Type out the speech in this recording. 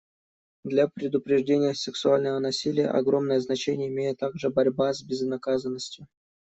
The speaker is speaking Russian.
Для предупреждения сексуального насилия огромное значение имеет также борьба с безнаказанностью.